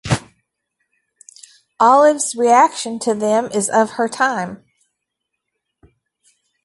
Olive’s reaction to them is of her time.